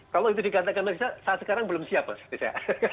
kalau itu dikatakan pak bisa saat sekarang belum siap pak bisa